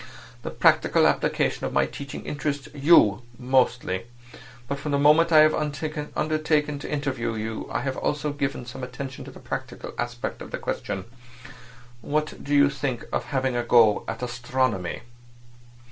The practical application of my teaching interests you mostly. But from the moment I have undertaken to interview you I have also given some attention to the practical aspect of the question. What do you think of having a go at astronomy?"